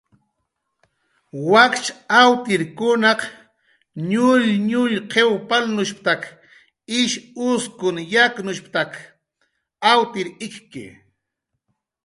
"Wakch awtirkunaq nullnull qiw palnushp""tak ish uskun yaknushp""tak awtir ik""ki. "